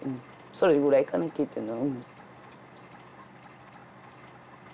それぐらいかな聞いたの。